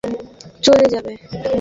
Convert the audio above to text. শুধু একবার দেখে চলে যাবে।